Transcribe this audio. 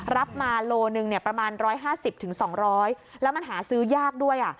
รับมาโลหนึ่งประมาณ๑๕๐๒๐๐แล้วมันหาซื้อยากด้วย